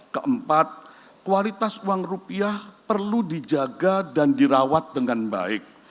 keempat kualitas uang rupiah perlu dijaga dan dirawat dengan baik